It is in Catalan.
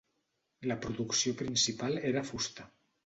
La producció principal era fusta.